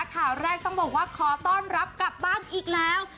ข่าวแรกต้องบอกว่าขอต้อนรับกลับบ้านอีกแล้ว